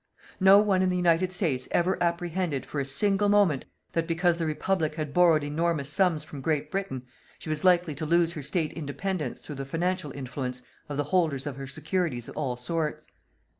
No one in the United States ever apprehended, for a single moment, that because the Republic had borrowed enormous sums from Great Britain, she was likely to lose her State independence through the financial influence of the holders of her securities of all sorts.